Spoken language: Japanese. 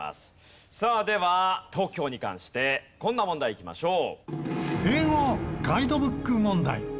さあでは東京に関してこんな問題いきましょう。